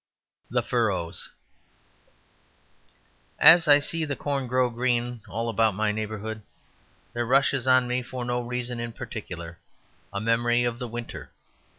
The Furrows As I see the corn grow green all about my neighbourhood, there rushes on me for no reason in particular a memory of the winter.